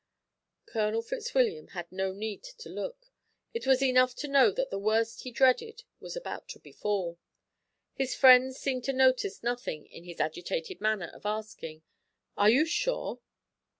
Colonel Fitzwilliam had no need to look; it was enough to know that the worst he dreaded was about to befall. His friends seemed to notice nothing in his agitated manner of asking "Are you sure?"